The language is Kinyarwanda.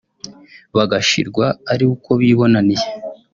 bagashirwa ari uko bibonaniye